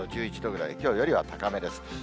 １０度、１１度ぐらい、きょうよりは高めです。